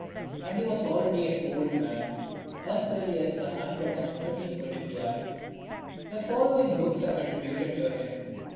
And he was already an old man, as early as the hundred and thirteenth olympiad, XII. The following books are attributed to him.